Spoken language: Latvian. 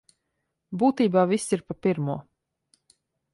Būtībā viss ir pa pirmo.